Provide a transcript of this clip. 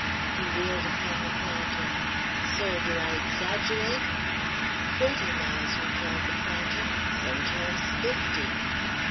He wheeled upon the planter "Sir, do I exaggerate?" "Forty miles," replied the planter; "sometimes fifty."